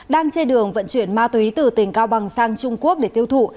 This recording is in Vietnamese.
đang chê đường vận chuyển ma túy từ tỉnh cao bằng sang trung quốc để tiêu thụ